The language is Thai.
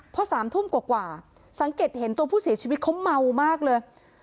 พอ๓ทุ่มกว่าสังเกตเห็นตัวผู้เสียชีวิตเขาเมามากเลย